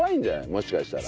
もしかしたら。